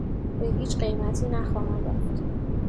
به هیچ قیمتی نخواهم رفت.